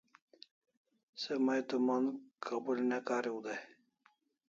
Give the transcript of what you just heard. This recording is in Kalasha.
Se may to mondr Kabul ne kariu day